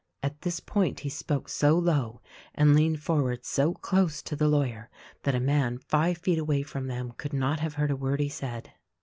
At this point he spoke so low and leaned forward so close to the lawyer that a man five feet away from them could not have heard a word he said.